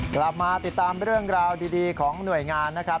กลับมาติดตามเรื่องราวดีของหน่วยงานนะครับ